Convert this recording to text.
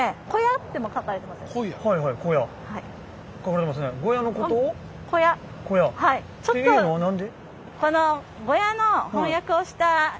っていうのは何で？